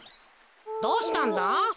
どうしたんだ？